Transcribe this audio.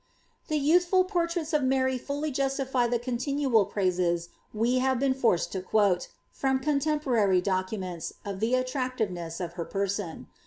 The youthful portraits of Mary fully justify the continual praises we bave been forced to quote, from contemporary documents, of the attract iTeness of her person.